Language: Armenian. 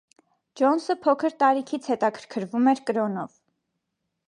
Ջոնսը փոքր տարիքից հետաքրքվում էր կրոնով։